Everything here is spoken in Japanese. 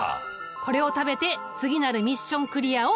これを食べて次なるミッションクリアを目指してくれ。